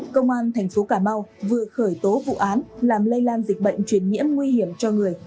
công an thành phố cà mau vừa khởi tố vụ án làm lây lan dịch bệnh truyền nhiễm nguy hiểm cho người